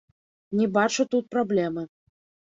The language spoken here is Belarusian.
Не бачу тут праблемы.